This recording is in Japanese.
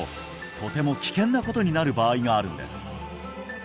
とても危険なことになる場合があるんです